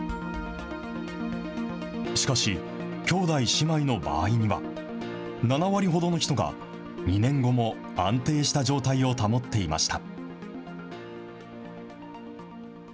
しかし、兄弟、姉妹の場合には、７割ほどの人が、２年後も安定した状態を保っていました。